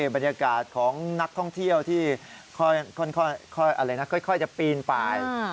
บรรยากาศของนักท่องเที่ยวที่ค่อยจะปีนไป